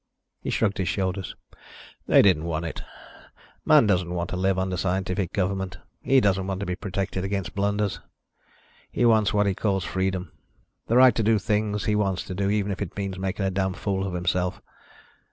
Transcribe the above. He shrugged his shoulders. "They didn't want it. Man doesn't want to live under scientific government. He doesn't want to be protected against blunders. He wants what he calls freedom. The right to do the things he wants to do, even if it means making a damn fool of himself.